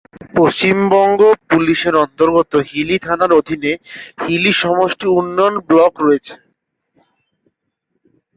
পশ্চিমবঙ্গ পুলিশের অন্তর্গত হিলি থানার অধীনে হিলি সমষ্টি উন্নয়ন ব্লক রয়েছে।